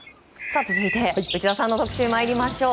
続いて、内田さんの特集参りましょう。